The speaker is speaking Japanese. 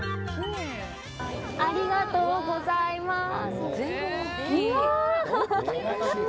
ありがとうございます。